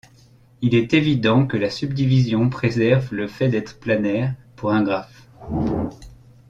Il est évident que la subdivision préserve le fait d'être planaire pour un graphe.